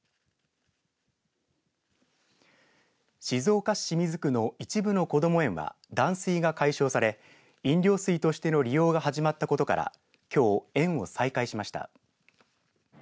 静岡市清水区の一部のこども園は断水が解消され飲料水としての利用が始まったことからきょう、園を再開しました。